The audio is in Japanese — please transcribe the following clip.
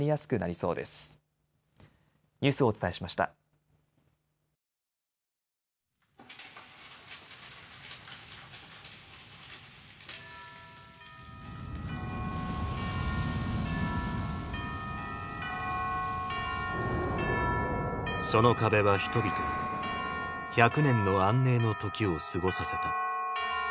その壁は人々に１００年の安寧の時を過ごさせた。